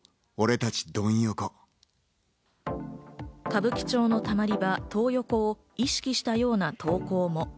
歌舞伎町のたまり場・トー横を意識したような投稿も。